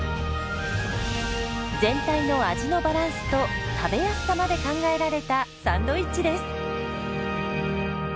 全体の味のバランスと食べやすさまで考えられたサンドイッチです。